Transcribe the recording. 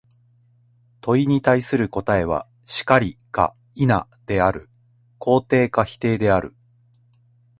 問に対する答は、「然り」か「否」である、肯定か否定である。